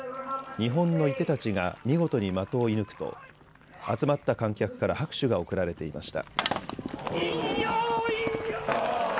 日本の射手たちが見事に的を射ぬくと集まった観客から拍手が送られていました。